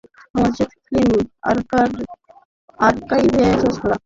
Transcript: Bangladesh film আর্কাইভে শেষ খেলা